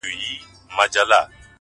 • شمع هر څه ویني راز په زړه لري,